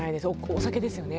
お酒ですよね？